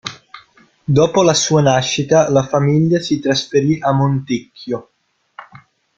Dopo la sua nascita la famiglia si trasferì a Montecchio.